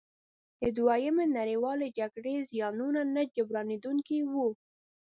د دویمې نړیوالې جګړې زیانونه نه جبرانیدونکي وو.